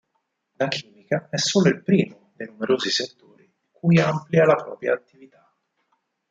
La chimica è solo il primo dei numerosi settori cui amplia la propria attività.